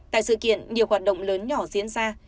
tại sự kiện nhiều hoạt động lớn nhỏ diễn ra